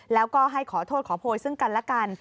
แล้วก็ให้ขอโทษขอโพยซึ่งกันและกัน